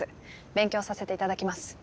勉強させていただきます。